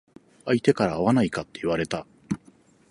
相手から会わないかって言われた。